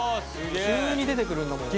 急に出てくるんだもん。